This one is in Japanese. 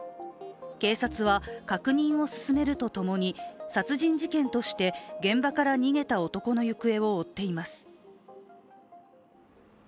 警察は確認を進めるとともに、殺人事件として現場から逃げた男の行方を追っています。